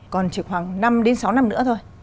còn chỉ khoảng năm đến sáu năm nữa thôi